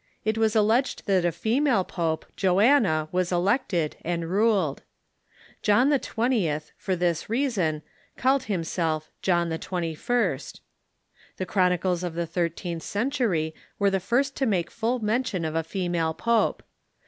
it was alleged that a female pope, Joanna, was elected, and ruled. John XX., for this reason, called himself John XXI. The chronicles of the thirteenth century were the first to make full mention of a female pope.